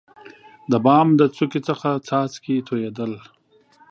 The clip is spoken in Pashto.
دبام له څوکي څخه څاڅکي تویدل.